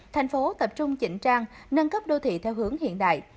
thành phố tập trung chỉnh trang nâng cấp đô thị theo hướng hiện đại